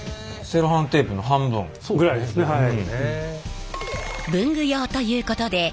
ぐらいですねはい。